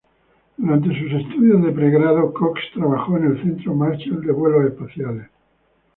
Durante sus estudios de pregrado, Cox trabajó en el Centro Marshall de vuelos espaciales.